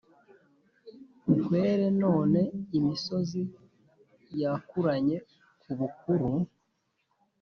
ntwere, none imisozi yakuranye ku bukuru,